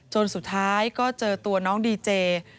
สุดท้ายก็เจอตัวน้องดีเจ